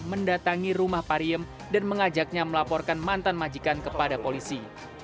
mendatangi rumah pariem dan mengajaknya melaporkan mantan majikan kepada polisi